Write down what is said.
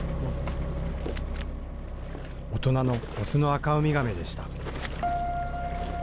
大人の雄のアカウミガメでした。